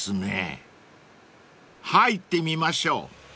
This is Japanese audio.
［入ってみましょう］